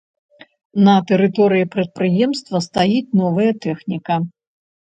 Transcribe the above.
На тэрыторыі прадпрыемства стаіць новая тэхніка.